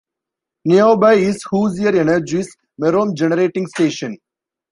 Nearby is Hoosier Energy's Merom Generating Station.